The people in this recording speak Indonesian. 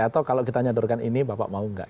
atau kalau kita nyodorkan ini bapak mau nggak